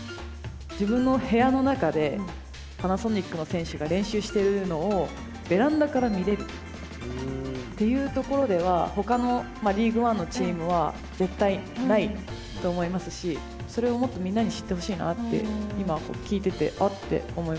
自分の部屋の中でパナソニックの選手が練習してるのをベランダから見れるっていうところではほかのリーグワンのチームは絶対ないと思いますしそれをもっとみんなに知ってほしいなって今聞いてて「あっ」て思いました。